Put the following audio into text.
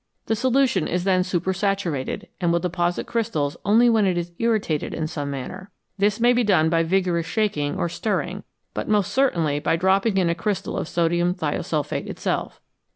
The solution is then supersatu rated, and will deposit crystals only when it is irritated in some manner. This may be done by vigorous shaking or stirring, but most certainly by dropping in a ciystal of sodium thiosulphate itself.